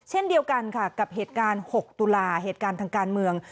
เช่นเดียวกันค่ะกับเหตุการณ์๖ตุลาเหตุการณ์ทางการเมือง